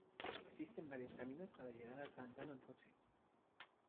Existen varios caminos para llegar al pantano en coche.